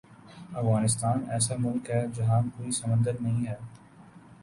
افغانستان ایسا ملک ہے جہاں کوئی سمندر نہیں ہے